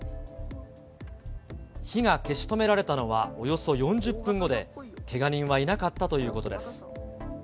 火が消し止められたのはおよそ４０分後で、けが人はいなかったということです。